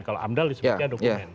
kalau amdal disebutnya dokumen